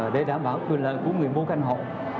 để đảm bảo quyền lợi của người mua căn hộ